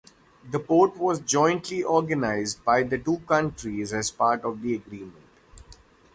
The port was jointly organized by the two countries as part of the agreement.